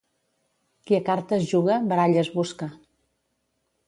Qui a cartes juga, baralles busca.